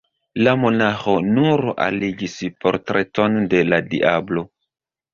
La monaĥo nur aligis portreton de la diablo.